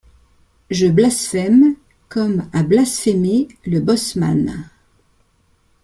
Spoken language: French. Je blasphème, comme a blasphémé le bosseman!...